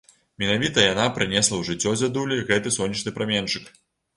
Менавіта яна прынесла ў жыццё дзядулі гэты сонечны праменьчык.